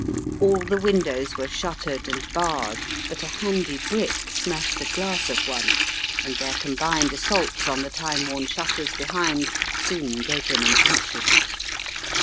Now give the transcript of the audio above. All the windows were shuttered and barred but a handy brick smashed the glass of one and their combined assaults on the time worn shutters behind soon gave them an entry.